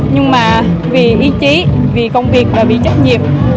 nhưng mà vì ý chí vì công việc là vì trách nhiệm